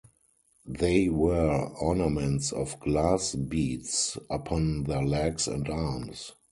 They wear ornaments of glass beads upon their legs and arms.